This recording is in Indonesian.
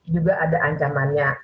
juga ada ancamannya